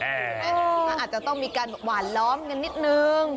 อาบจะต้องมีกันหว่านล้อมสักสักนิดนึง